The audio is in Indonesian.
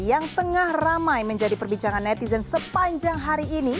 yang tengah ramai menjadi perbincangan netizen sepanjang hari ini